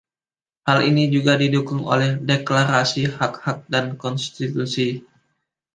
Hal ini juga didukung oleh Deklarasi Hak-Hak dan Konstitusi.